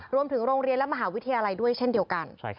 โรงเรียนและมหาวิทยาลัยด้วยเช่นเดียวกัน